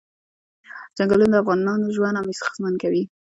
چنګلونه د افغانانو ژوند اغېزمن کوي.